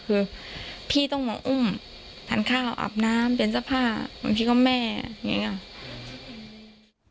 คือพี่ต้องมาอุ้มทานข้าวอาบน้ำเปลี่ยนสภาพพี่ก็แม่อย่างนี้